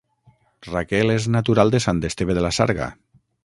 Raquel és natural de Sant Esteve de la Sarga